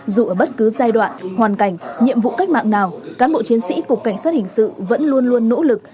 dù ở bất cứ giai đoạn hoàn cảnh nhiệm vụ cách mạng nào cán bộ chiến sĩ cục cảnh sát hình sự vẫn luôn luôn nỗ lực